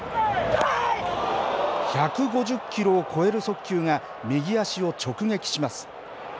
１５０キロを超える速球が、右足を直撃します。